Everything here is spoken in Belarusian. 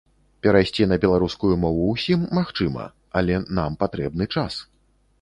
Перайсці на беларускую мову ўсім магчыма, але нам патрэбны час.